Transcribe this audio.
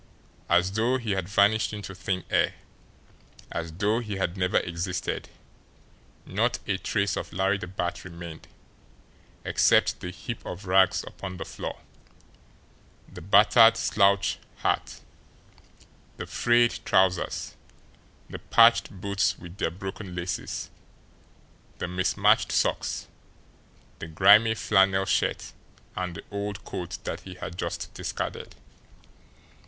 As though he had vanished into thin air, as though he had never existed, not a trace of Larry the Bat remained except the heap of rags upon the floor, the battered slouch hat, the frayed trousers, the patched boots with their broken laces, the mismated socks, the grimy flannel shirt, and the old coat that he had just discarded.